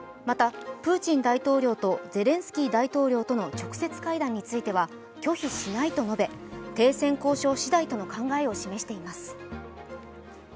また、プーチン大統領とゼレンスキー大統領との直接会談については、拒否しないと述べ、停戦交渉しだいとの考えを示しています。